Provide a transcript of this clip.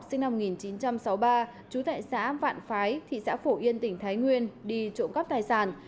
sinh năm một nghìn chín trăm sáu mươi ba trú tại xã vạn phái thị xã phổ yên tỉnh thái nguyên đi trộm cắp tài sản